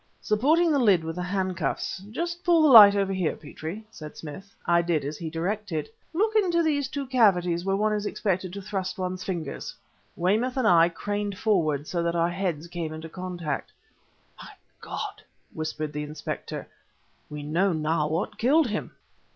Supporting the lid with the handcuffs "Just pull the light over here, Petrie," said Smith. I did as he directed. "Look into these two cavities where one is expected to thrust one's fingers!" Weymouth and I craned forward so that our heads came into contact. "My God!" whispered the Inspector, "we know now what killed him!"